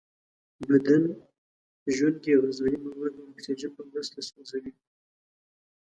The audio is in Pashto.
بدن ژونکې غذایي مواد د اکسیجن په مرسته سوځوي.